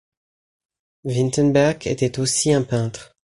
Winterberg était aussi un peintre.